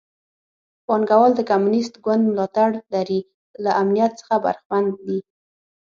پانګوال د کمونېست ګوند ملاتړ لري له امنیت څخه برخمن دي.